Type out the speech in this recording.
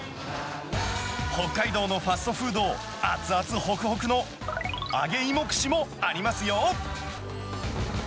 北海道のファストフード、熱々ほくほくの揚げ芋串もありますよ。